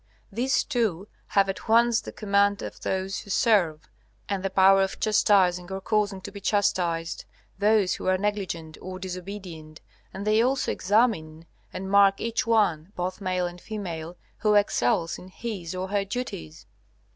These two have at once the command of those who serve, and the power of chastising, or causing to be chastised, those who are negligent or disobedient; and they also examine and mark each one, both male and female, who excels in his or her duties.